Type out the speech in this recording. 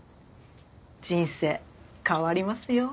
人生変わりますよ。